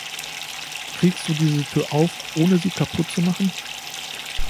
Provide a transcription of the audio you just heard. Kriegst du diese Tür auf, ohne sie kaputt zu machen?